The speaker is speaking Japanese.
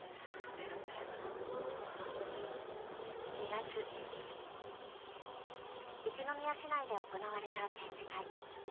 ２月一宮市内で行われた展示会。